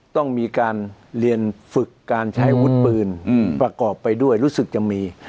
ต้องมีการเรียนฝึกการใช้อาวุธปืนประกอบไปด้วยรู้สึกจะมี